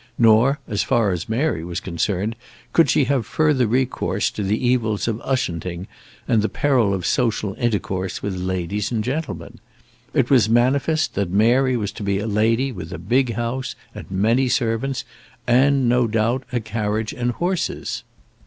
Nor, as far as Mary was concerned, could she have further recourse to the evils of Ushanting, and the peril of social intercourse with ladies and gentlemen. It was manifest that Mary was to be a lady with a big house, and many servants, and, no doubt, a carriage and horses.